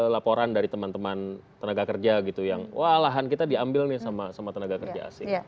laporan dari teman teman tenaga kerja gitu yang walahan kita diambil nih sama sama tenaga kerja